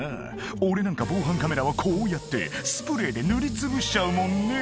「俺なんか防犯カメラはこうやってスプレーで塗りつぶしちゃうもんね」